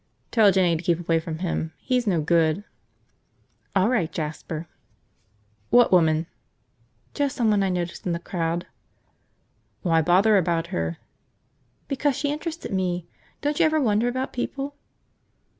"Tell Jinny to keep away from him! He's no good!" "All right, Jasper." "What woman?" "Just someone I noticed in the crowd." "Why bother about her?" "Because she interested me! Don't you ever wonder about people?"